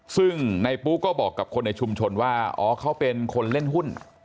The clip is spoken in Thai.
ซึ่งในปุ๊ก็บอกกับคนในชุมชนว่าอ๋อเขาเป็นคนเล่นหุ้น